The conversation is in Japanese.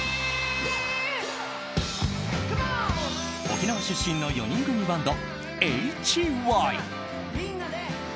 沖縄出身の４人組バンドＨＹ。